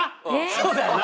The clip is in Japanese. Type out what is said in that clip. そうだよな？